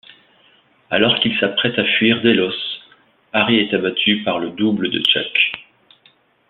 Alors qu'il s'apprête à fuir Delos, Harry est abattu par le double de Chuck.